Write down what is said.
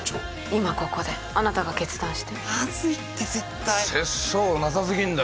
今ここであなたが決断してまずいって絶対節操なさすぎんだろ